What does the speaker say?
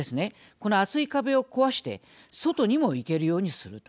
この厚い壁を壊して外にも行けるようにすると。